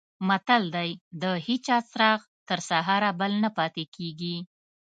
متل دی: د هېچا چراغ تر سهاره بل نه پاتې کېږي.